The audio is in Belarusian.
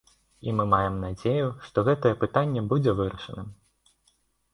І мы маем надзею, што гэтае пытанне будзе вырашаным.